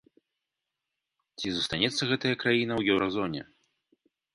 Ці застанецца гэтая краіна ў еўразоне?